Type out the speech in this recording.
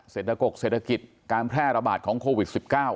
เศรษฐกเศรษฐกิจการแพร่ระบาดของโควิด๑๙